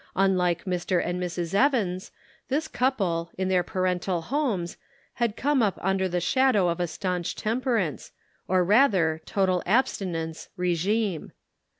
Unlike Mr. and Mrs. Evans, this couple, in their parental homes, had come up under the shadow of a stanch temperance, or rather total abstinence, regime.